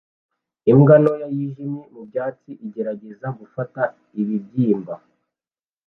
imbwa ntoya yijimye mubyatsi igerageza gufata ibibyimba